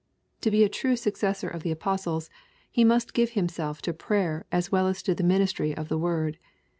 To be a true successor of the apostles, he must give himself to prayer as well as to the ministry of the word.